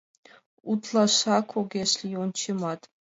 Утлашак огеш лий, ончемат!